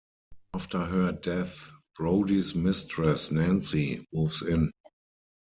After her death, Brodie's mistress, Nancy, moves in.